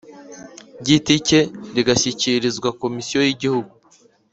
giti cye rigashyikirizwa Komisiyo y Igihugu